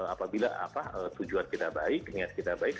apabila tujuan kita baik niat kita baik